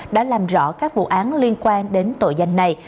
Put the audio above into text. đã làm rõ các vụ án liên quan đến tội danh này